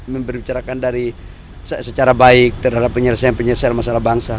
membicarakan dari secara baik terhadap penyelesaian penyelesaian masalah bangsa